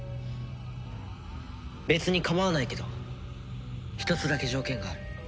別に構わないけど一つだけ条件がある。